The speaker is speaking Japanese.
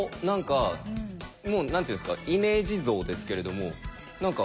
何て言うんですかイメージ像ですけれども何か。